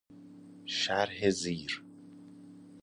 شرح زیر